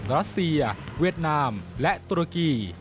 รัสเซียเวียดนามและตุรกี